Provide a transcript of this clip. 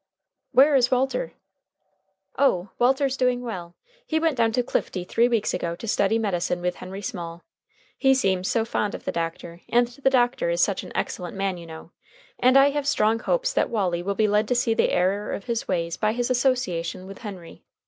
"Where is Walter?" "Oh! Walter's doing well. He went down to Clifty three weeks ago to study medicine with Henry Small. He seems so fond of the doctor, and the doctor is such an excellent man, you know, and I have strong hopes that Wallie will be led to see the error of his ways by his association with Henry.